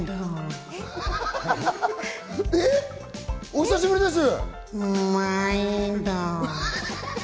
お久しぶりです。